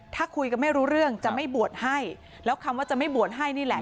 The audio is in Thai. ถ้าคุยกันไม่รู้เรื่องจะไม่บวชให้แล้วคำว่าจะไม่บวชให้นี่แหละ